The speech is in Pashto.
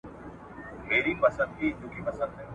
په ارمان یې د نارنج او د انار یم ..